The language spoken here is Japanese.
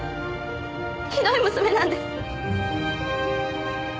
ひどい娘なんです！